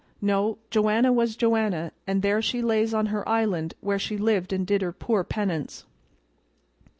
No, Joanna was Joanna, and there she lays on her island where she lived and did her poor penance.